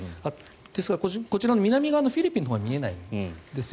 ですので、こちらの南側のフィリピンは見えないんです。